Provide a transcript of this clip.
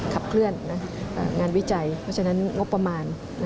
ขับเคลื่อนงานวิจัยเพราะฉะนั้นงบประมาณ